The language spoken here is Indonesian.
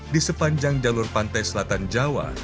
di sepanjang jalur pantai selatan jawa